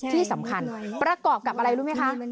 ที่สำคัญประกอบกับอะไรรู้ไหมคะ